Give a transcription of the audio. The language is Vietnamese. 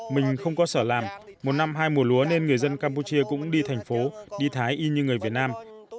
mình không có sở làm một năm hai mùa lúa nên người dân campuchia cũng đi thành phố đi thái y như người việt nam